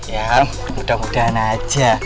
ya mudah mudahan aja